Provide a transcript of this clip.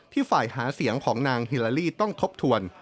ฝ่ายหาเสียงของนางฮิลาลีต้องทบทวน